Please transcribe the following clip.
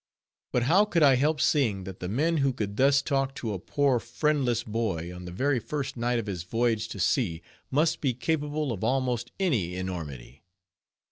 But how could I help seeing, that the men who could thus talk to a poor, friendless boy, on the very first night of his voyage to sea, must be capable of almost any enormity.